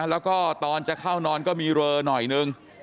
แล้วก็ตอนจะเข้านอนก็มีเรอหน่อยนึง